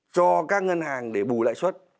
cho các ngân hàng để bù lãi suất